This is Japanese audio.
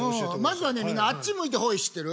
まずはみんなあっち向いてホイ知ってる？